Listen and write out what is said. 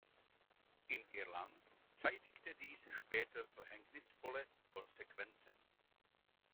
In Irland zeitigte dies später verhängnisvolle Konsequenzen.